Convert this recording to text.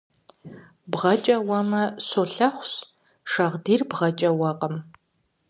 БгъэкӀэ уэмэ, щолэхъущ, шагъдийр бгъэкӀэ уэкъым.